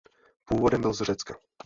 Původem byl z Řecka.